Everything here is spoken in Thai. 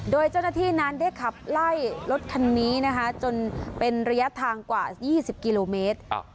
โดยเจ้าหน้าที่นั้นได้ขับไล่รถคันนี้นะคะจนเป็นระยะทางกว่า๒๐กิโลเมตร